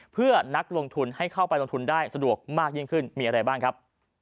เพื่อนักลงทุนให้เข้าไปลงทุนได้สะดวกมากยิ่งขึ้นมีอะไรบ้างครับ